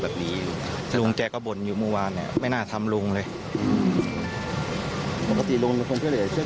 อืมปกติลงกับคนช่วยเหลือช่วยชอบช่วยเหลือคน